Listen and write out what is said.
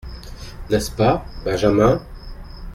N’est-ce pas, Benjamin ?…